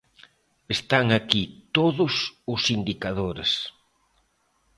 Están aquí todos os indicadores.